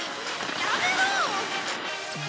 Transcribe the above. やめろ！